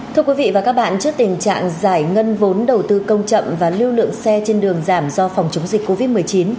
thưa quý vị và các bạn trước tình trạng giải ngân vốn đầu tư công chậm và lưu lượng xe trên đường giảm do phòng chống dịch covid một mươi chín